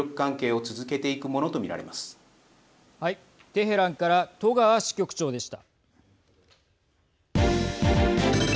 テヘランから戸川支局長でした。